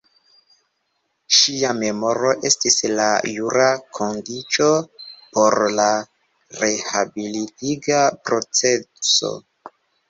Ŝia memoro estis la jura kondiĉo por la rehabilitiga proceso.